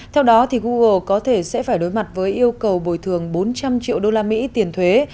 theo đó google có thể sẽ phải đối mặt với yêu cầu bồi thường bốn trăm linh triệu usd tiền thuế